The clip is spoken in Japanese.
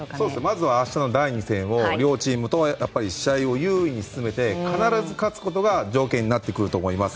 まずは明日の第２戦を両チームとも試合を優位に進めて必ず勝つことが条件になってくると思います。